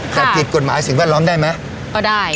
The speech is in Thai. ค่ะผิดกฏหมายสิ่งบรรคได้ไหมก็ได้